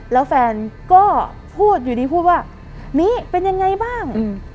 แล้วแฟนก็พูดอยู่ดีพูดว่านี้เป็นยังไงบ้าง